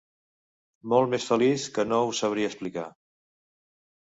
Molt més feliç que no us sabria explicar